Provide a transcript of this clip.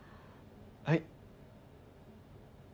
はい。